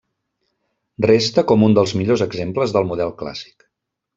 Resta com un dels millors exemples del model clàssic.